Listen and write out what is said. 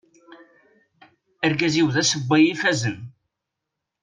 Argaz-iw d asewway ifazen.